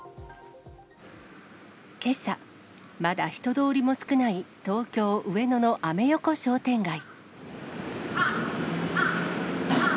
けさ、まだ人通りも少ない、東京・上野のアメ横商店街。